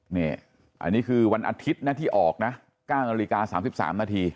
นี่อันนี้คือวันอาทิตย์นะที่ออกนะ๙นาฬิกา๓๓นาที